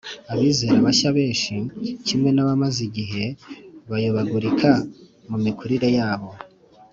Abizera bashya benshi (kimwe n'abamaze igihe) bayobagurika mu mikurire yabo